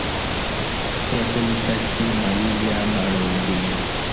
په پلي تګ کې مالي زیان نه اړول کېږي.